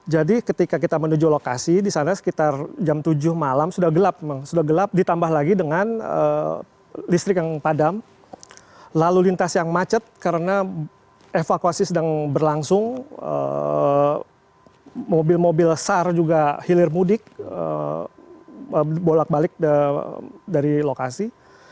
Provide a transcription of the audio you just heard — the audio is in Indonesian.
jadi ketika kita menuju lokasi di sana sekitar jam tujuh malam sudah gelap memang sudah gelap ditambah lagi dengan listrik yang padam lalu lintas yang macet karena evakuasi sedang berlangsung mobil mobil sar juga hilir mudik bolak balik dari lokasi